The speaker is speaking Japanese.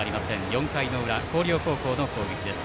４回の裏、広陵の攻撃です。